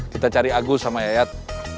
kita cari agus sama yayat